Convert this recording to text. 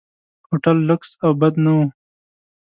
هوټل لکس او بد نه و.